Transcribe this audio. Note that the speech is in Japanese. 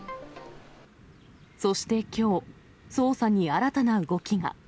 そしてきょう、捜査に新たな動きが。